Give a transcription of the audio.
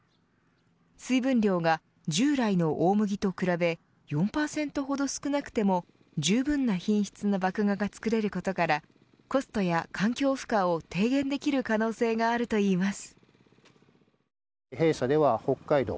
水分量が従来の大麦と比べ４％ほど少なくてもじゅうぶんな品質の麦芽が作れることからコストや環境負荷を低減できる可能性があるといいます。